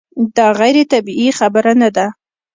دا غیر طبیعي خبره نه ده.